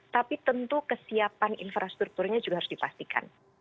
tapi tentu kesiapan infrastrukturnya juga harus dipastikan